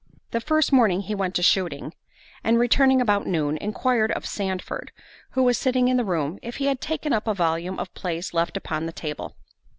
The first morning he went a shooting, and returning about noon, enquired of Sandford, who was sitting in the room, if he had taken up a volume of plays left upon the table.